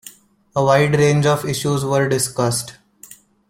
A wide range of issues were discussed.